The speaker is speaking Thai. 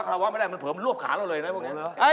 แกน่ายไปแล้วไม่เคยเจอประเภทพวกนี้